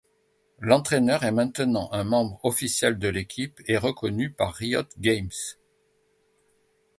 L'entraineur est maintenant un membre officiel de l'équipe et reconnu par Riot Games.